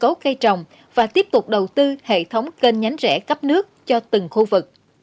tốt cây trồng và tiếp tục đầu tư hệ thống kênh nhánh rẽ cấp nước cho từng khu vực